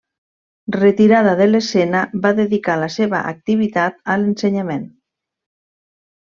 Retirada de l'escena, va dedicar la seva activitat a l'ensenyament.